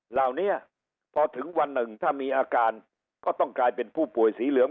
เหล่านี้พอถึงวันหนึ่งถ้ามีอาการก็ต้องกลายเป็นผู้ป่วยสีเหลือง